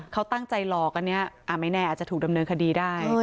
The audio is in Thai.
เขาตั้งใจหลอกอันนี้ไม่แน่อาจจะถูกดำเนินคดีได้